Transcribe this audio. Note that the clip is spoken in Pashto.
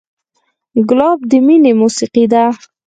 ګلاب د مینې موسیقي ده.